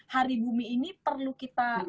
hari bumi ini perlu kita